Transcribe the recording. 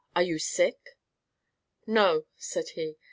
Are you sick?" "No," said he.